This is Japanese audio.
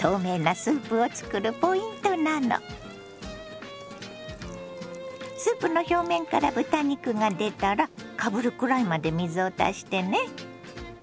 スープの表面から豚肉が出たらかぶるくらいまで水を足してね。